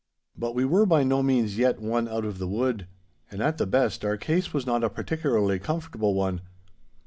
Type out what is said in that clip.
But we were by no means yet won out of the wood. And, at the best, our case was not a particularly comfortable one.